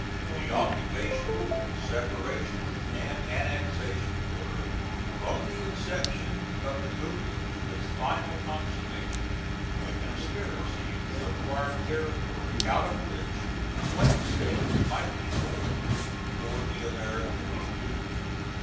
The occupation, separation and annexation were, from the inception of the movement to its final consummation, a conspiracy to acquire territory out of which slave states might be formed for the American Union.